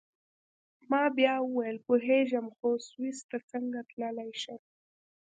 ما بیا وویل: پوهیږم، خو سویس ته څنګه تلای شم؟